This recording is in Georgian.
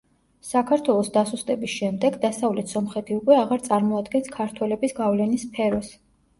საქართველოს დასუსტების შემდეგ დასავლეთ სომხეთი უკვე აღარ წარმოადგენს ქართველების გავლენის სფეროს.